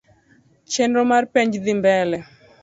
Chenro mar penj dhi mbele